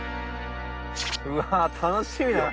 うわ楽しみだな。